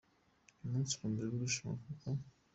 uyu munsi wa mbere w’irushanwa kuko